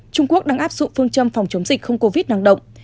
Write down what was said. trung quốc đang áp dụng phương châm phòng chống dịch không covid nặng động